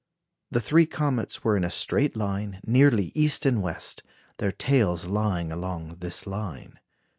The three comets were in a straight line, nearly east and west, their tails lying along this line.